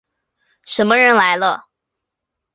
什么人来了？